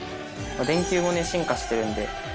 電球も進化してるんで。